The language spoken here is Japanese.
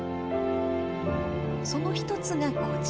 その一つがこちら。